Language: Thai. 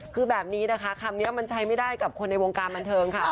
คือแบบนี้นะคะคำนี้มันใช้ไม่ได้กับคนในวงการบันเทิงค่ะ